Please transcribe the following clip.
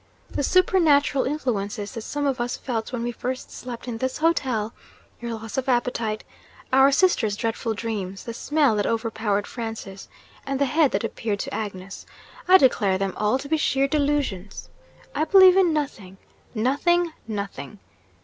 The supernatural influences that some of us felt when we first slept in this hotel your loss of appetite, our sister's dreadful dreams, the smell that overpowered Francis, and the head that appeared to Agnes I declare them all to be sheer delusions! I believe in nothing, nothing, nothing!'